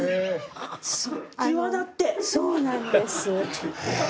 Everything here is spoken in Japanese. そうなんです。